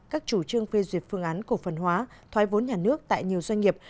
các chủ trương phê duyệt phương án cổ phần hóa thoái vốn nhà nước tại nhiều doanh nghiệp